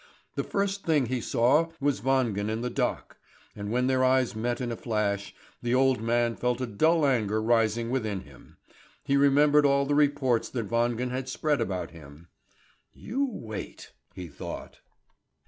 The first thing he saw was Wangen in the dock; and when their eyes met in a flash, the old man felt a dull anger rising within him. He remembered all the reports that Wangen had spread about him. "You wait!" he thought.